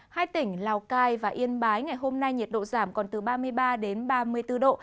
hai tỉnh lào cai và yên bái ngày hôm nay nhiệt độ giảm còn từ ba mươi ba đến ba mươi bốn độ